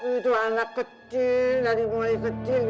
itu anak kecil dari mulai kecil